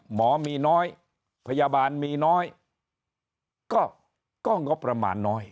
หมอมีน้อยพยาบาลมีน้อยก็งบประมาณน้อย